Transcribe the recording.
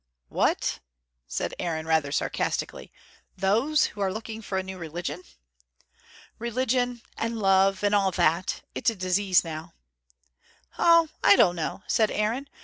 "What," said Aaron rather sarcastically "those who are looking for a new religion?" "Religion and love and all that. It's a disease now." "Oh, I don't know," said Aaron.